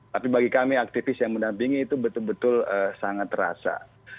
tapi bagi kami aktivis yang mendampingi itu betul betul sangat terasa